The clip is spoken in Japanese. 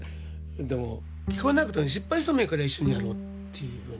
でも「聞こえなくても失敗してもいいから一緒にやろう」っていうふうに。